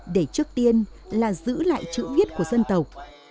để trước tiên là giữ lại chữ viết của dân tộc